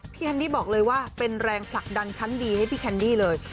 แคนดี้บอกเลยว่าเป็นแรงผลักดันชั้นดีให้พี่แคนดี้เลย